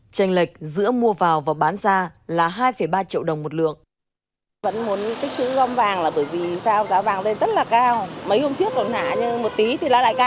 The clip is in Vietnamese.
tranh lệch giữa mua vào và bán ra là hai ba triệu đồng một lượng